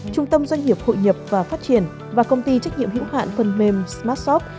trung tâm doanh nghiệp hội nhập và phát triển và công ty trách nhiệm hiệu hạn phần mềm smartsoft